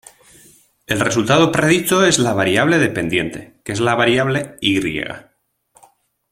El resultado predicho es la variable dependiente, que es la variable y.